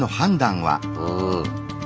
うん。